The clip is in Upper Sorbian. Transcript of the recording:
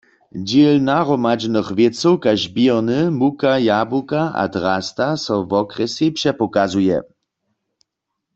Dźěl nahromadźenych wěcow kaž běrny, muka, jabłuka a drasta so wokrjesej přepokazuje.